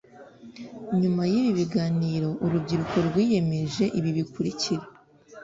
Nyuma y ibi biganiro urubyiruko rwiyemeje ibi bikurikira